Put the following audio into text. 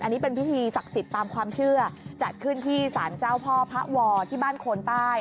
อันนี้เป็นพิธีศักดิ์สิทธิ์ตามความเชื่อจัดขึ้นที่สารเจ้าพ่อพระวอที่บ้านโคนใต้